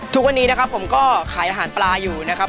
ทุกวันนี้นะครับผมก็ขายอาหารปลาอยู่นะครับ